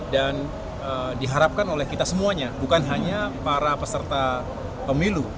dan diharapkan oleh kita semuanya bukan hanya para peserta pemilu